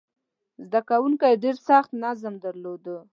زده کوونکي ډېر سخت نظم درلود.